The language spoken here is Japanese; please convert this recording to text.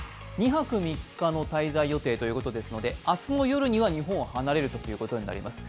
２泊３日の滞在予定ということですので、明日の夜には日本を離れるということになります。